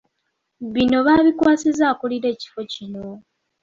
Bino baabikwasizza akulira ekifo kino .